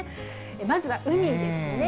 まずは、海ですね。